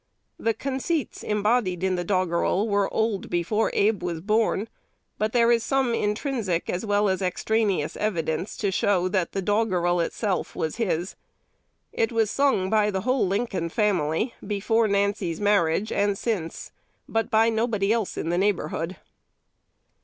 The conceits embodied in the doggerel were old before Abe was born; but there is some intrinsic as well as extraneous evidence to show that the doggerel itself was his. It was sung by the whole Lincoln family, before Nancy's marriage and since, but by nobody else in the neighborhood.